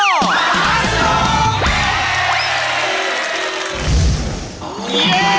เย้